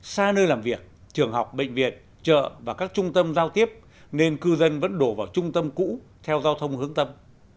xa nơi làm việc trường học bệnh viện chợ và các trung tâm giao tiếp nên cư dân vẫn đổ vào trung tâm cũ theo giao thông hướng tâm